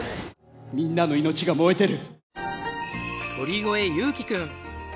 みんなの命が燃えてる。